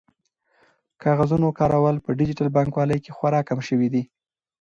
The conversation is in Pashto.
د کاغذونو کارول په ډیجیټل بانکوالۍ کې خورا کم شوي دي.